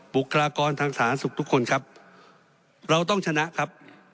บุคลากรทางสาธารณสุขทุกคนครับเราต้องชนะครับ